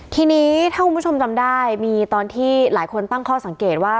ทีนี้ถ้าคุณผู้ชมจำได้มีตอนที่หลายคนตั้งข้อสังเกตว่า